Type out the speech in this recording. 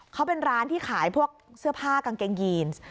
เขาเป็นร้านที่ขายพวกเสื้อผ้ากางเกงยีน